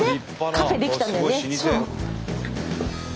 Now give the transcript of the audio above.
カフェ出来たんだよね。